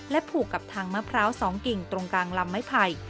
ผูกกับทางมะพร้าว๒กิ่งตรงกลางลำไม้ไผ่